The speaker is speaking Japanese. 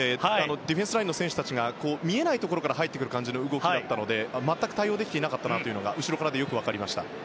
ディフェンスラインの選手たちが見えないところから入ってくる感じの動きだったので全く対応できていなかったのが後ろからだとよく分かりました。